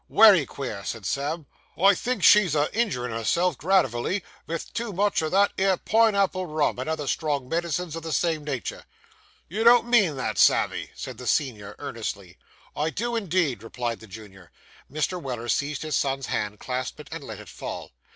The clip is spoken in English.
'Wery queer,' said Sam. 'I think she's a injurin' herself gradivally vith too much o' that 'ere pine apple rum, and other strong medicines of the same natur.' 'You don't mean that, Sammy?' said the senior earnestly. 'I do, indeed,' replied the junior. Mr. Weller seized his son's hand, clasped it, and let it fall.